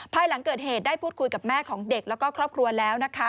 ภายหลังเกิดเหตุได้พูดคุยกับแม่ของเด็กแล้วก็ครอบครัวแล้วนะคะ